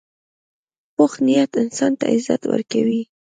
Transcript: پوخ نیت انسان ته عزت ورکوي